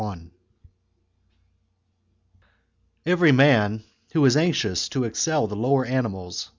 Every man who is anxious to excel the lower animals chap.